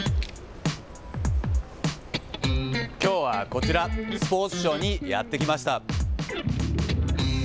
きょうはこちら、スポーツ庁にやって来ました。